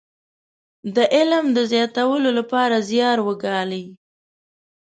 د علم د زياتولو لپاره زيار وګالي.